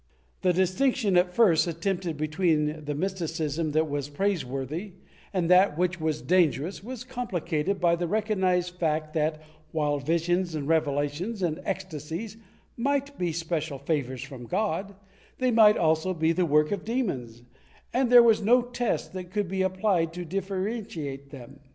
The distinction at first attempted between the mysticism that was praiseworthy and that which was dangerous was compli cated by the recognized fact that, while visions and revelations and ecstasies might be special favors from God, they might also be the work of demons, and there was no test that could be applied to differentiate them.